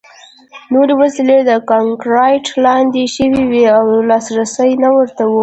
نورې وسلې د کانکریټ لاندې شوې وې او لاسرسی نه ورته و